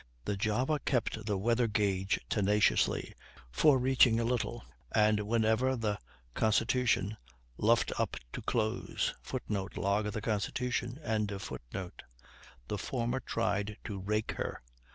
The Java kept the weather gage tenaciously, forereaching a little, and whenever the Constitution luffed up to close, [Footnote: Log of Constitution.] the former tried to rake her.